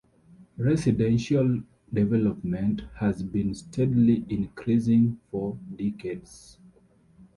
Residential development has been steadily increasing for decades.